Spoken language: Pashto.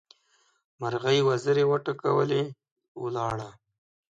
مرغۍ وزرې وټکولې؛ ولاړه.